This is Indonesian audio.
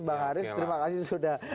bang haris terima kasih sudah